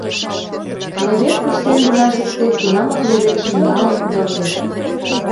Левед пыштен гына шуктет, тунамак леведышым налын кудалтет.